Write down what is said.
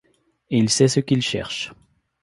Et il sait ce qu'il cherche.